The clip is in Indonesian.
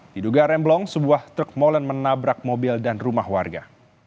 diduga remblong sebuah truk molen menabrak mobil dan rumah warga